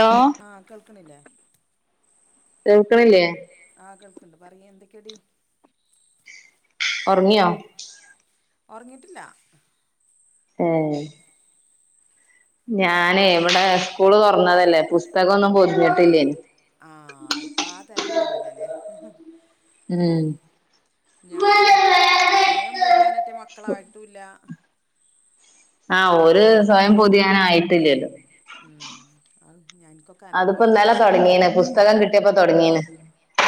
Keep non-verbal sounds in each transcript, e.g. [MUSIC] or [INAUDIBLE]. Law ആ കേൾക്കണില്ലേ, കേൾക്കണില്ലേ ആ കേൾ ക്ക്ണ്ട് പറയ് എന്തേക്കെടി ഒർങ്യോ ഒർങ്ങീട്ടില്ല, ഏഹ്, ഞാനെ എന്തൊക്കെ ഇവടെ സ്കൂള് തൊർന്നതല്ലേ പുസ്തകം ഒന്നും പൊതിഞ്ഞിട്ടില്ലേനി, ആ ഇപ്പ ആ തെര്ക്കാണല്ലലെ, ഉം ഞാ സ്വയം പൊതിയാനറ്റ മക്കളായിട്ടുല്ല, ആ ഓല് സ്വയം പൊതിയാനായിട്ടില്ലല്ലോ, ഉം അത് ഞാ ഇൻക്കൊക്കെ അനുഭവാണല്ലൊ സ്കൂള് തൊ സ്ഥലം കിട്ടിയപ്പോ തോട്ങ്ങീണ്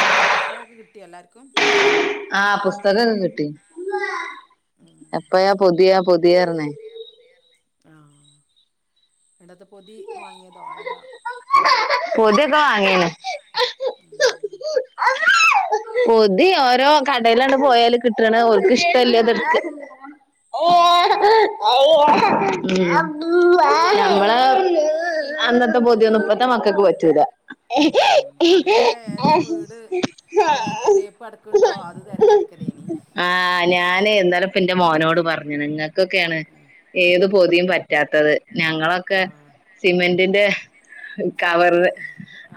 ഏ പുസ്തകക്കെ കിട്ട്യോ എല്ലാര്ക്കും, ആ പുസ്തകൊക്കെ കിട്ടി എപ്പയാ പൊതിയാ പൊതിയാർന്നെ, പൊതിയാ പൊതിയാർന്നെ ആഹ് ന്നട്ടത്ത പൊതി വാങ്ങിയതോ ഏതാ, പൊത്യോക്ക വാങ്ങീണ് ഉം പൊതി ഓരോ കടെലാണ്ട് പോയാല് കിട്ട്ണ ഓൽക്ക് ഇഷ്ടല്ലത് ഇട്ക്ക, ഏഹ് അങ്ങനെ, ഉം, അങ്ങനെ ഓല് ഇഷ്ടള്ളത്, അന്നത്ത പൊത്യൊന്നും ഇപ്പത്ത മക്കക്ക് പറ്റൂല, ഉം അന്നൊക്കെ ഏതേം വീട് തേ തേപ്പ് കെടക്ക്ണ്ടോ അത് തെരഞ്ഞെടുക്കലേനി ആ ഞാന് ഇന്നെലപ്പ ഇന്നട്ട് ഇന്റ മോനോട് പർഞ്ണ് ഇങ്ങക്കൊക്കെണ്, ആഹ് ഏത് പൊതിയും പറ്റാത്തത്, ഞങ്ങളൊക്കെ ആഹ് സിമെന്റിന്റെ, ചാക്ക് കവറ്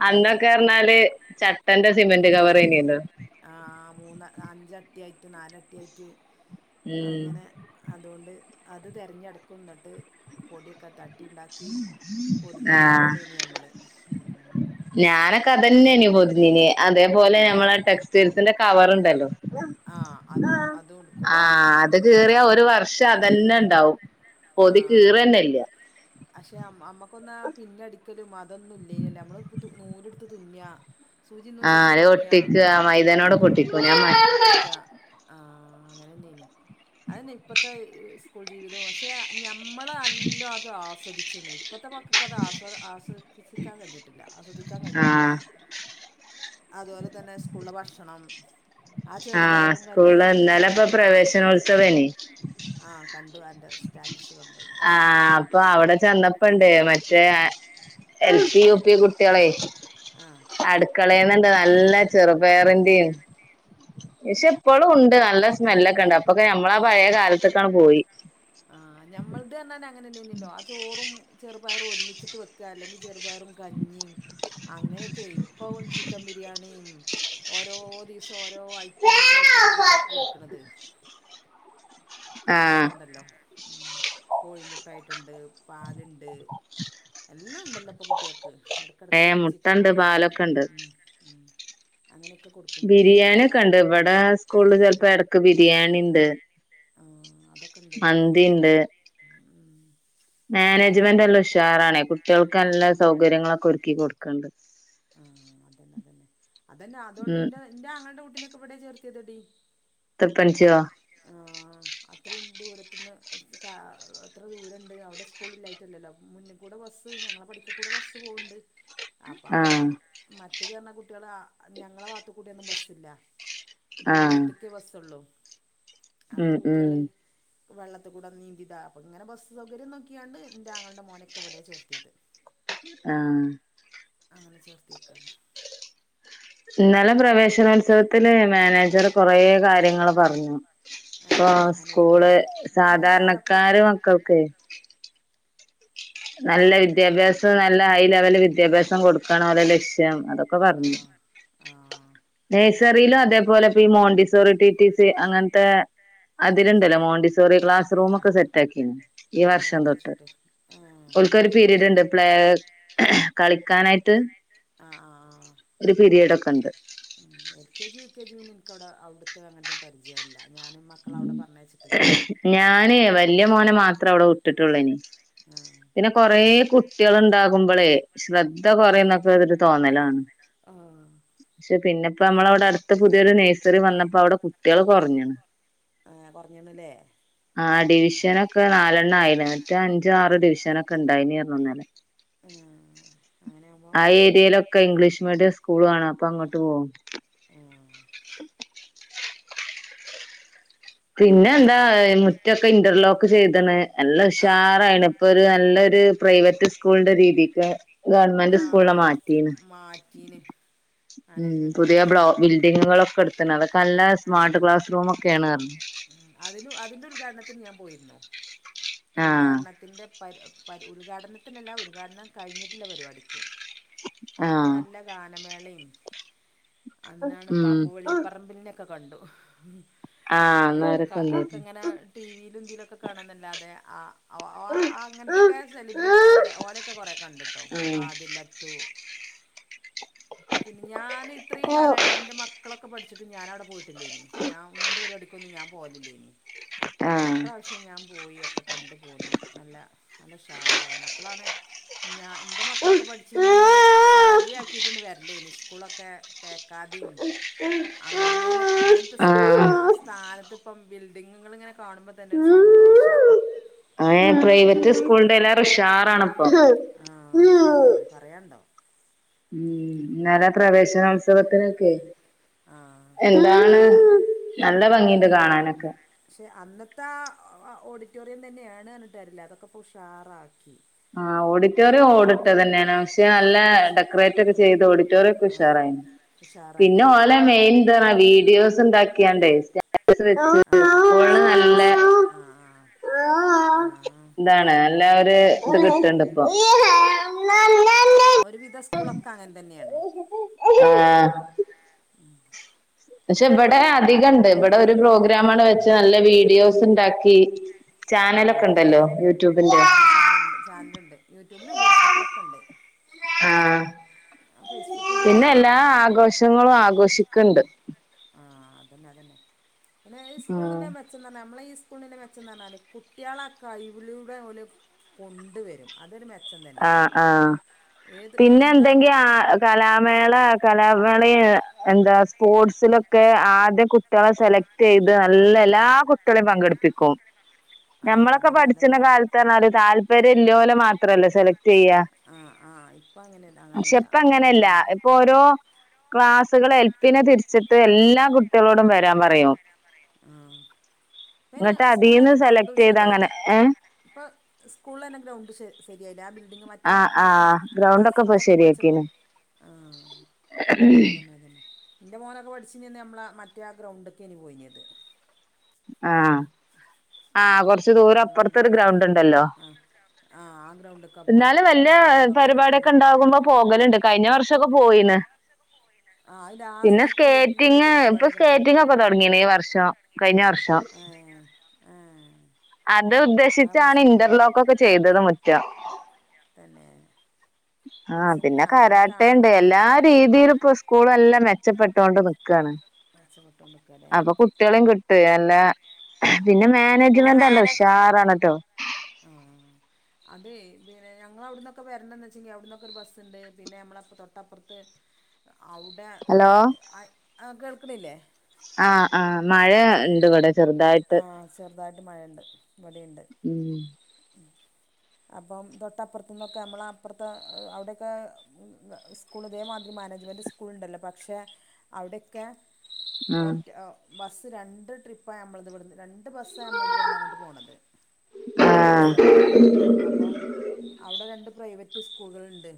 ആഹ് അന്നൊക്കെർഞ്ഞാല് ചട്ടന്റെ സിമെന്റ് കവറേന്യല്ലോ, ആ മൂന്ന അഞ്ചട്ട്യായിട്ട് നാലട്ട്യായിട്ട് ഉം അങ്ങനെ, അതുകൊണ്ട് അത് തെര്ഞ്ഞട്ക്കും ന്നട്ട് പൊടിയൊക്ക ത ട്ടി ഇണ്ടാക്കി പൊതിഞ്ഞ് ആഹ് ഇണ്ടാക്കലെനി ഞമ്മള് ഉം ഞാനൊക്കെ അതന്നെയ്നു പൊതിഞ്ഞീനെ അതേപോലെ നമ്മളെ ടെക്സ് ചെരുപ്പിന്റെ കവറുണ്ടല്ലോ ആഹ് അതും അതും എടുക്കും ആഹ്, ഇത് കീറിയാൽ ഒരു വർഷം അതന്നെ ഉണ്ടാവും, ആഹ് പക്ഷെ അമ്മക്കൊന്നാ പിന്നടിക്കലും മാ അതൊന്നും ഇല്ലയ്നല്ലോ നമ്മള് നൂലെടുത്ത് തുന്ന, സൂചിന്നൂല് ആഹ് ഇടുത്ത് അത് തുന്ന, ഒട്ടിക്ക മൈദനോണ്ടൊക്കെ ആഹ് ഒട്ടിക്കും ഞാൻ മ ഒട്ടിക്ക, ആഹ് അങ്ങനെ തന്നെയനി അതന്നെ ഇപ്പത്തെ സ്കൂൾ ജീവിതവും പക്ഷെ, ഞമ്മള് നല്ലോം അത് ആസ്വദിച്ച്ണ് ഇപ്പത്തെ മക്ക തക്ക്‌ അത്‌ ആസ് ആസ്വദിക്കാൻ കഴിഞ്ഞിട്ടില്ല ആസ്വദിക്കാൻ കഴിഞ്ഞിട്ടില്ല, ആഹ് അതുപോലെ തന്നെ സ്കൂളിലെ ഭക്ഷണം, ആ ആഹ് ചെറുപയറും സ്കൂളില് കഞ്ഞിയും ഇന്നലെ ഇപ്പൊ ആഹ് പ്രവേശനോത്സവേനി ആഹ് കണ്ടു അന്റെ സ് സ്റ്റാറ്റസ് കണ്ടു, ആഹ് അപ്പൊ അവിടെ ചെന്നപ്പോണ്ട് മറ്റേ, എൽ പി യു പി കുട്ട്യേളെ ആഹ് അടുക്കളയ്ന്ന് ണ്ട് നല്ല ചെറുപേറിന്റിം പക്ഷെ ഇപ്പോഴും ഉണ്ട്. നല്ല സ്മെല്ലൊക്കെ ഉണ്ട്. അപ്പൊക്കെ ഞമ്മളാ പഴയ കാലത്തൊക്കാണ്ട് പോയി ആഹ് ഞമ്മൾത് പറഞ്ഞാ അങ്ങനെന്നന്നല്ലോ ആ ചോറും ചെറുപയറും ഒരുമിച്ചിട്ട് വെ ക്ക. അല്ലെങ്കിൽ ചെറുപയറും കഞ്ഞിയും അങ്ങനെയൊക്കെ ഇപ്പൊ ചിക്കൻ ബിരിയാണിയും ഓരോ ദിവസം ഓരോ ഐറ്റംസ് ആയിട്ടല്ലേ കുട്ടികക്ക് കൊടുക്കണത് അങ്ങനെയൊക്കെ ആഹ് ഇ ണ്ടല്ലോ കോഴിമുട്ടായിട്ടുണ്ട് പാലുണ്ട് എല്ലാം ഉണ്ടല്ലോ ഇപ്പൊ കുട്ടികൾക്ക്. ഇടക്കിടക്ക് ഏഹ് ചിക്കൻ മുട്ടണ്ട് കൊടുക്ക്‌ണ്ട് [INAUDIBLE] പാലൊക്കെ ഉണ്ട് അങ്ങനെയൊക്കെ ബിരിയാണി ഒക്കെ ഉണ്ട്. അതൊന്നും ഇവടെ സ്കൂളിൽ ചിലപ്പോ ഇടക്ക് ബിരിയാണിണ്ട്. ആഹ് അതൊക്കെ ഇണ്ടേ ഇണ്ട് ഉം. നമ്മളെ മാനേജ്മെന്റ് നല്ല കാലഘട്ടമൊക്കെ ഉഷാറാണേ കുട്ടികൾക്ക് നല്ല സൗകര്യങ്ങളൊക്കെ ഒരുക്കി കൊടുക്ക്‌ണ്ട് ആ അതന്നെ അതന്നെ അതന്നെ അതുകൊണ്ട് ഉം എന്റെ ആങ്ങളന്റെ കു ട്ടിനൊക്കെ ഇവിടെയാണ് ചേർത്തിയത്ടി ത്രിപ്പഞ്ചിയോ ആ അത്രയും ദൂരത്തന്ന് കാ എത്ര ദൂരണ്ട് അവിടെ സ്കൂ സ്കൂളില്ലായിട്ടല്ലല്ലോ മുന്നിൽ കൂടെ ബസ് ഞങ്ങളെ പഠിക്കൽ കൂടെ ബസ്സ് പോവുണ്ട് അപ്പ ആഹ് അതാണ് മറ്റ്തന്ന് പറഞ്ഞകുട്ടികൾ ഞങ്ങളെ ഭാഗത്ത കുട്യൊന്നും ബസ്സില്ല ആഹ് ദൂരത്തക്ക് ബസ്സള്ളു. അപ ഉം ഉം കുട്ടേള് വെള്ളത്തി കൂട നീന്തിതാണ് അപ്പോ ഇങ്ങനെ ബസ് സൗകര്യം നോക്കിയാണ് എന്റെ ആങ്ങളയുടെ മോനൊക്കെ ഇവിടെ ചേർത്തിയത് ആഹ് അങ്ങനെ ചേർത്തിയക്കാണ് ഇന്നലെ പ്രവേശനോത്സവത്തില് മാനേജർ കൊറ കാര്യങ്ങള് പറഞ്ഞു ഇപ്പ ഏഹ് മാനേജർ സ്കൂള് ഉണ്ടായി മാനേജർ ആരാപ്പം സാധാരണക്കാരെ മക്കൾക്കേ നല്ല ആഹ് വിദ്യാഭ്യാസം നല്ല ഹൈ ലെവല് വിദ്യാഭ്യാസം കൊടുക്കണഓല ലക്ഷ്യം അതൊക്കെ പറഞ്ഞു അതെ ആഹ് നഴ്സറിയിലും അതേപോലെഈ മോണ്ടിസോറിടീറ്റീസി അങ്ങത്തെ ടീച്ച അതിലുണ്ടല്ലോ മോണ്ടിസോറി ആഹ് ക്ലാസ് റൂമ ഒക്കെ ആഹ് സെറ്റ ആക്കി ഈ ഏഹ് വർഷം അതൊക്കെ തൊട്ട്. സെറ്റ് ഏഹ് അപ്പൊ ഓൾക്കൊരു നഴ്സറി പീരയഡ് ഉണ്ട്. ഉഷാറാ പ്ലലേ കളിക്കാനായിട്ട്. ആഹ് ആഹ് ആഹ് ഒരു പിരീഡ ഒക്കെ ഇണ്ട് ഉം എൽകെജി യുകെജി പിന്നെ എൻക്കവ്ടെ അവിട്ത്തെ അങ്ങന പരിചയല്ല ഞാനും മ ഞാന് വല്ല്യ മോനെ മാത്രം അവ്ടെ വിട്ട്ട്ടൊള്ളേനി ആഹ് പിന്നെ കൊറേ കുട്ടിയാള് ഇണ്ടാകുമ്പളേ ശ്രദ്ധ കൊറേ എന്നൊക്കെ ഒരു ത് തോന്നലാണ് ആഹ് പക്ഷെ പിന്നെപ്പോ നമ്മളവ്ടെ അട്ത്ത് പുതിയൊരു നേഴ്സറി വന്നപ്പോ അവിടെ കുട്ടിയാൾ കൊർഞ്ഞ്ണ് ആഹ് കൊർഞ്ഞ്ണ് ല്ലേ പ്പനാലെണ്ണ ആയിണ് മറ്റേ അഞ്ചോ ആറോ ഡിവിഷനൊക്കെ ഉണ്ടായിഞ് അർഞ്ഞു ഇന്നലെ ആഹ് അങ്ങനെയാകുമ്പോ ആ ഏരിയയിലൊക്കെ ഇംഗ്ലീഷ് മീഡിയം സ്കൂളാണ്. അപ്പൊ അങ്ങട്ട് പോകും. ആഹ് പിന്നെ എന്താ മുറ്റൊക്കെ ഇന്റർലോക്ക് ചെയ്ത്ണ്. നല്ല ആഹ് ആഹ് ഉഷാറായിണ് ഇപ്പൊരു നല്ലൊരു പ്രൈവറ്റ് സ്കൂളിന്റെ രീതിക്ക് ഗവൺമെന്റ് സ്കൂളിനെ ആഹ് മാറ്റീണ് മാറ്റീന് ഉം മാനേജ്മെന്റ് പുതിയ നല്ല ബ്ലോ ഉഷാറാണ് ബിൽഡിങ്ങുകളൊക്കെ ഇട്ത്ത്ക്ണ് അതൊക്കെ നല്ല സ്മാർട്ട് ക്ലാസ് റൂമൊക്കെയാണ് അർഞ്ഞ് അതിന് അതിന്റെ ഉദ്ഘാടനത്തിന് ഞാൻ പോയിന്നു ആഹ് ഉൽഘാടനത്തിന്റെ പരി പരി ഉൽഘാടനത്തിനല്ല ഉദ്ഘാടനം കഴിഞ്ഞിട്ടില്ല പരിപാടിക്ക് അന്ന് ആഹ് നല്ല ഗാനമേളിം അന്നാണ് ഉം ബാപ്പു വള്ളിപ്പറമ്പിലിനെ ക്കെ കണ്ടു ആഹ് അവരെ ഇന്ന് അവരൊക്കെ ഒക്കെ വന്നിരുന്നു ഇങ്ങനെ ടീവിയിലും ഇതിലൊക്കെ കാണാന്നല്ലാതെ ആ ആ [UNINTELLIGIBLE] ആഹ് അങ്ങൻത്തക്കെ സെലിബ്രേ ഓലെ ഓലെക്കെ കൊറേ കണ്ടു ട്ടോ ആതിലത്തു പിന്നെ ഞാൻ ഇത്രയും ആഹ് കാലായിട്ട് ഇൻ്റെ മക്കളൊക്കെ പഠിച്ചിട്ട് ഞാനവ്ടെ പോയിട്ടില്ലേനി ഞാൻ ഇങ്ങൻത്തെ പരിപാടിക്കൊന്നും ഞാൻ പോലില്ലേനി ഇപ്രാവശ്യം ഞാൻ പോയി ഒക്കെ കണ്ടു പോന്നു നല്ല നല്ല ഉഷാറായിന് അപ്പളാണ് ഞാൻ ഇന്റെ മക്കളൊക്കെ പഠിച്ചീന അന്ന് ചളിയാക്കി റ്റ് [UNINTELLIGIBLE] വര്ല്ലേനി സ്കൂളൊക്കെ തേക്കാദീം അങ്ങനെ അങ്ങൻത്തെ സ്കൂളേനി ആഹ് ആ സ് ഥാനത്ത് ഇപ്പം ബിൽഡിങ്ങുകളിങ്ങനെ കാണുമ്പൊ തന്നെ ഒരു സന്തോഷാ അഹ് ഏഹ് പ്രൈവറ്റ് സ്കൂൾൻ്റെലേറെ ഉഷാറാണ് പ്പൊ ആ ഉഷാറാണ് പറയാണ്ടോ ഉം ഇന്നലെ പ്രവേശനോത്സവത്തിനൊക്കെ ആഹ് എന്താണ് നല്ല ഭംഗിണ്ട് കാണാനൊക്കെ പക്ഷെ അന്നത്തെ ആ അഹ് ഓഡിറ്റോറിയം തന്നേണ് അർഞ്ട്ട് കാര്യല്ല അതൊക്കെ പുഷാറാക്കി ആഹ് ഓഡിറ്റോറിയം ഓടിട്ടതന്നെയാണ് പക്ഷെ നല്ല ഡെക്കറേറ്റ് ഒക്കെ ചെയ്ത് ഓഡിറ്റോറിയം ഒക്കെ ആ ഉഷാറായിന് പിന്നെ ഉഷാറായിന് ഓലെ മെയിൻ ത് അർഞ്ഞ വീഡിയോസ് ഉണ്ടാക്കിയാണ്ടെ സ്‌റ്റാറ്റസ് വെച്ച് സ്‌കൂൾന് നല്ല ആഹ് ആഹ് ഇതാണ് നല്ല ഒര് ഇത് അത് കിട്ട്ണ്ട് ഇ പ്പൊ ഒരുവിധ സ്കൂളൊക്കെ അങ്ങൻ തന്നേണ് ആഹ് ആഹ് പക്ഷെ ഇവടെ അധികണ്ട് ഇവടെ ഒരു പ്രോഗ്രാമാണ് വെച്ച് നല്ല വീഡിയോസ് ഇണ്ടാക്കി ചാനലൊക്കെ ഇണ്ടല്ലോ യൂട്യൂബിന്റെ ചാനല ചാനലുണ്ട് യൂട്യൂബിലും ഫേസ്ബുക്കിലുംക്കെ ഉണ്ട് ആഹ ഫേസ്ബുക്ക് ഫോളോ പിന്നെ എല്ലാ ചെയ്തിരുന്നു ആഘോഷങ്ങളും ആഘോഷിക്കുന്നുണ്ട് ആ അതന്നെ അതന്നെ പിന്നെ ഈ സ്കൂള ആഹ് മെച്ചെന്ന് പറഞ്ഞാൽ നമ്മളെ ഈ സ്കൂളിന്റെ മെച്ചെന്ന് പറഞ്ഞാൽ കുട്ടികള ആ കഴിവിലൂടെ കൊണ്ടുവരും അതൊരു മെച്ചം തന്നെയാണ് ആഹ് ആഹ് ഏത് പിന്നെ എന്താ എന്തെങ്കി ആ കുട്ടിക്ക് കലാമേള കലാമേള എന്താ സ്പോർട്സിലൊക്കെ ആദ്യ കുട്ടികളെ സെലക്ട് ചെയ്ത് നല്ല എല്ലാ കുട്ടികളും പങ്കെടുപ്പിക്കും ആ ഞമ്മളൊക്കെ അതന്നെ പഠിച്ചുന്ന അതന്നെ കാലത്ത്ഞ്ഞല് താല്പര്യം ഉള്ളോലെ മാത്രല്ല ആഹ ആഹ് ഇപ്പൊ അങ്ങനെയല്ല അങ്ങനെയല്ല ഉ ഇപ്പോ ഓരോ ക്ലാസ്സുകൾ എൽപിനെ തിരിച്ചിട്ട് എല്ലാ കുട്ടികളോടും വരാൻ പറയും ആ പിര് ഇന്നട്ട് സ്കൂള അതീന്ന് തന്നെ ഗ്രൗണ്ടും സെലക്ട് ചെയ്ത് അങ്ങനെ ശരിയായില്ലേ ഏഹ് ഇപ്പ സ്കൂളിൽ തന്നെ ഗ്രൗണ്ട് ശ ശരിയായി ലാബിൽ എന്തെങ്കും മറ്റേ ആഹ് ഇതൊക്കെ ആഹ് ക്ലാസ് ഗ്രൗണ്ടൊക്കെ റൂമ ഇപ്പൊ ഒക്കെ പൊളിച്ചപ്പോ ശരിയാക്കീണ് ആഹ അതന്നെ അതന്നെ എന്റെ മോനൊക്കെ പഠിച്ചുന്ന് നമ്മള മറ്റേ ആ ഗ്രൗണ്ടൊക്കെ ഇനി പോയിത് ആഹ ആഹ കൊറച്ചു ദൂരം നമ്മളെ അപ്പുറത്തെ ഒരു അവിടെല്ല ഗ്രൗണ്ട് ഉണ്ടല്ലോ ആഹ് ആഹ് ആ ഗ്രൗണ്ടിലേക്കാ പോകല് എന്നാലും വലിയ ഫുട്ബോളും ഇതൊക്കെ നടക്കണ പരിപാടൊക്കെ ഉണ്ടാകുമ്പോ പോകലുണ്ട് കഴിഞ്ഞ വർഷംക്കെ പോയിന്ന് ആ അത് പിന്നെ ലാസ്റ്റ്ക്ക് വല്യ വല്യ സ്കേറ്റിങ് ഇപ്പൊ പരിപാടികൾക്ക് സ്കേറ്റിംഗ ഒക്കെ തുടങ്ങീണ ഈ വർഷം കഴിഞ്ഞ വർഷം ആ ആഹ അത് ഉദ്ദേശിച്ചാണ് ഇന്റർലോക്ക് ഒക്കെ ചെയ്തത് മുറ്റം തന്നെ ആ ഒരീസം ഇനി പിന്നെ കാണാം ഇനി കാണാൻ കരാട്ടുണ്ട് പോണം എല്ലാ രീതിയിലും സ്കൂൾ എല്ലാം മെച്ചപ്പെട്ടുകൊണ്ട് നിക്കുവയാണ് മെച്ച പ്പെട്ടോണ്ട് നിക്കുവാണല്ലേ കുട്ടികളും കിട്ട് എല്ല പിന്നെ മാനേജ്മെന്റ് നല്ല ഉഷാറാണ് കേട്ടോ ആഹ് അതെ പിന്നെ ഞങ്ങൾ അവിടന്നൊക്കെ വരണ്ടന്ന് വെച്ചെങ്കിൽ അവിടന്നൊക്കെ ഒരു ബസ് ഉണ്ട് പിന്നെ നമ്മള തൊട്ടപ്പുറത്ത് അവിടെ ഹലോ ആഹ് കേൾക്കണില്ലേ ആഹ് ആഹ് മഴണ്ട് ഇവിടെ ചെറുതായിട്ട് ആ ചെറുതായിട്ട് മഴയുണ്ട് ഇവിടെണ്ട് ഉം ഉം അപ്പം തൊട്ടപ്പുറത്തു നിന്നൊക്കെ നമ്മള അപ്പുറത്തെ അവിടെയൊക്കെ സ്കൂൾ ഇതേമാതിരി മാനേജ്മെന്റ് സ്കൂൾ ഉണ്ടല്ലോ പക്ഷെ അവിടെയൊക്കെ ഒറ്റ ബസ്സ് രണ്ട് ട്രിപ്പാണ് നമ്മളവിടന്ന് രണ്ട് ബസ്സാ നമ്മളത് ഇവിടന്ന് അങ്ങോട്ട് പോണത് ആഹ് ആ ആഹ് സ്ഥലംത്തേക്ക് അപ്പം അവിടെ രണ്ട് പ്രൈവറ്റ് സ്കൂളുകൾണ്ട്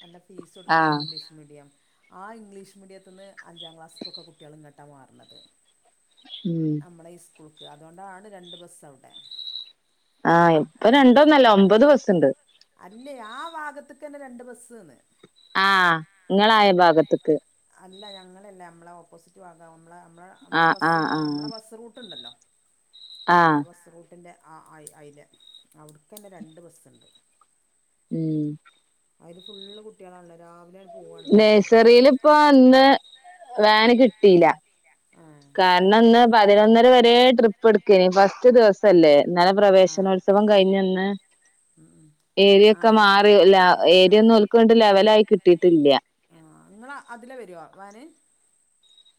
നല്ല ഫീസ് എടുക്കണം ആഹ് ഇംഗ്ലീഷ് മീഡിയം ആ ഇംഗ്ലീഷ് മീഡിയത്തി നിന്ന് അഞ്ചാം ക്ലാസ്സൊക്കെ കുട്ടികൾ ഇങ്ങോട്ടാ മാറണത് ഉം നമ്മുടെ ഈ സ്കൂളക്ക് അതുകൊണ്ടാണ് രണ്ട് ബസ്സ് അവിടെ ആഹ് ഇപ്പ അങ്ങനെ രണ്ടോന്നല്ല ഒമ്പത് ബസ്സുണ്ട് അല്ലേ ആ ഭാഗത്തക്ക തന്നെ രണ്ട് ബസ്സ്ന്ന് ആഹ് നിങ്ങള അയൽ ഭാഗത്തക്ക് അല്ല ഞങ്ങളല്ല നമ്മളെ ഓപ്പോസിറ്റ് [UNINTELLIGIBLE] നമ്മളെ ആഹ് ആഹ് ആഹ് നമ്മളെ ബസ് റൂട്ടുണ്ടല്ലോ ആഹ് അവി ബസ് റൂട്ടിന്റെ അ അയിലെ അവട്ക്ക് തന്നെ രണ്ട് ബസ്ണ്ട് ഉം അതില് ഫുള്ള് കുട്ടികളാണല്ലോ രാവിലെ പോവാണല്ലോ ഓല് നേഴ്സറിൽ ഇപ്പ ഇന്ന് വാന് കിട്ടിയില്ല ആഹ് കാരണം ഇന്ന് പതിനൊന്നര വരെ ട്രിപ്പ് എടുകേനി ഫസ്റ്റ് ദിവസ ദിവസല്ലേ ഇന്നലെ ആഹ് പ്രവേശനോത്സവം കഴിഞ്ഞന്ന് ഉം ഉം ഏരിയൊക്കെ ആഹ് ആഹ് മാറി ഏരിയ ആഹ് ഒന്നും അവർക്ക് ലെവല് ആയി കിട്ടിയിട്ടില്ല ആഹ് നിങ്ങള അതിലെ വരുവോ വാന്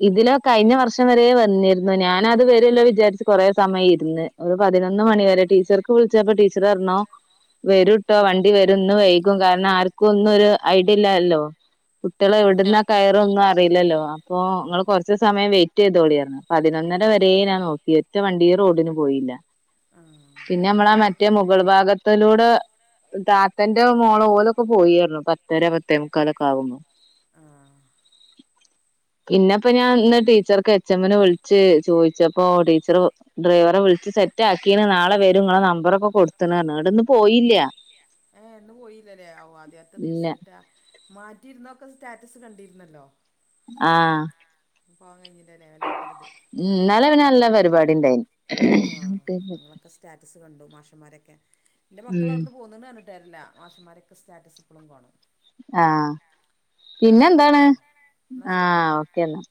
ഇതിലെ കഴിഞ്ഞ വർഷം വരെ വന്നിരുന്നു ഞാന് അത് വരുവല്ലോ വിചാരിച്ച് കൊറെ സമയം ഇരുന്ന് ഒരു പതിനൊന്ന് മണിവരെ ടീച്ചർ സ്കൂൾ വിളിച്ചപ്പോ ടീച്ചർ പറഞ്ഞു വരൂട്ടോ വണ്ടി വരന്ന് വൈകും കാരണം ആർ അവർക്കും ഒന്നും ഒരു ഐഡിയ ഇല്ലല്ലോ ആഹ് കുട്ടികളെവിടുന്നാ കയറൊന്നും അറിയില്ലല്ലോ അപ്പൊ ആഹ് നിങ്ങൾ കുറച്ച് സമയം വെയിറ്റ് ചെയ്തോളിന്ന് പതിനൊന്നര വരെ ഞാൻ നോക്കി ഇരുന്നു ഒറ്റ വണ്ടി റോഡിന് പോയില്ല ആഹ് പിന്നെ എന്നിട്ട് നമ്മളാ എന്ത് കാട്ടി മറ്റേ മുഗൾ ഭാഗത്തിലൂടെ താത്തന്റെ മോൾ ഓലൊക്കെ പോയി പറഞ്ഞു പത്തര പത്തേ മുക്കാലൊക്കെ ആവുമ്പോ ആഹ് പിന്നെപ്പൊ ഞാൻ ഇന്ന് ടീച്ചർക്ക് എച്ച് എമ്മന് വിളിച്ചു ചോദിച്ചപ്പോ ടീച്ചറ് ഡ്രൈവറേ വിളിച്ച് സെ സെറ്റ് ആക്കിണ് നാളെ വരും നിങ്ങളെ നമ്പർ ഒക്കെ കൊടുത്തണ് പറഞ്ഞു കൊടുത്ത്‌ണ് എന്നിട്ട് ഇന്ന് പോയില്ല പറഞ്ഞു. ഏഹ് ഇന്ന് പോയില്ല ല്ലേ ആദ്യത്തെ ഇല്ല ദിവസായിട്ട് മാറ്റിയിരുന്നൊക്കെ സ്റ്റാറ്റസ് കണ്ടിരുന്നല്ലോ ആഹ് പോവാൻ കഴിഞ്ഞില്ലല്ലേ വല്ലാത്ത ഒരുത് ഉം ഇന്നലെ പിന്നെ നല്ല പരിപാടി ഉണ്ടായിന് ആഹ് നിങ്ങളൊക്കെ സ്റ്റാറ്റസ് കണ്ടു മാഷന്മാരൊക്കെ എന്റെ മക്കൾ ഉം അവിടുന്ന് പോണ്ന്ന് പറഞ്ഞു [UNINTELLIGIBLE] മാഷുമാരൊക്കെ സ്റ്റാറ്റസ് ഇപ്പോളും കാണും. ആഹ് എന്നാ പിന്നെ എന്താണ് ശരിട്ടോ എന്നാ ശരി ആഹ് ഓക്കെ എന്നാ